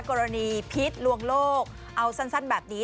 กรณีพิษลวงโลกเอาสั้นแบบนี้